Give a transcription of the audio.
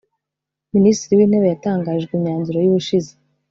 Minisitiri w’ Intebe yatangarijwe imyanzuro y’ubushize